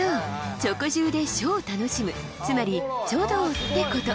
チョコ汁で書を楽しむつまり「チョ道」ってこと！